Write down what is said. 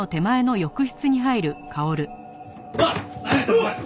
おい！